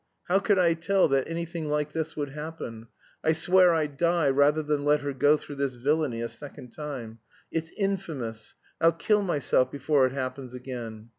How could I tell that anything like this would happen? I swear I'd die rather than let her go through this villainy a second time. It's infamous I'll kill myself before it happens again!"